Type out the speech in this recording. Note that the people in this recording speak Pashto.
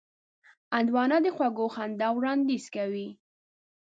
هندوانه د خوږ خندا وړاندیز کوي.